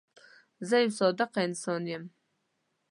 زه یو صادقه انسان یم.